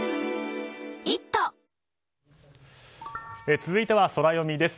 続いてはソラよみです。